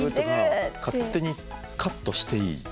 勝手にカットしていい。